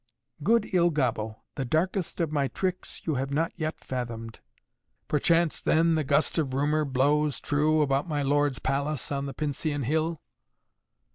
"Good Il Gobbo, the darkest of my tricks you have not yet fathomed." "Perchance then the gust of rumor blows true about my lord's palace on the Pincian Hill?"